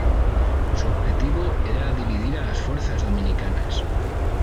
Su objetivo era dividir a las fuerzas dominicanas.